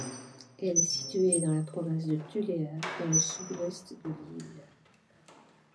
Elle est située dans la province de Tuléar, dans le sud-ouest de l'île.